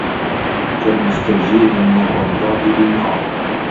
كالمستجير من الرمضاء بالنار